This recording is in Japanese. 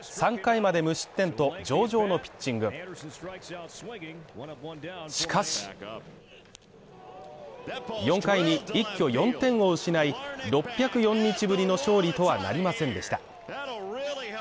復帰後２度目の先発となったツインズの前田健太は３回まで無失点と上々のピッチングしかし４回に一挙４点を失い、６０４日ぶりの勝利とはなりませんでした。